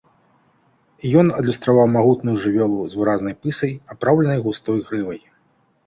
Ён адлюстраваў магутную жывёлу з выразнай пысай, апраўленай густой грывай.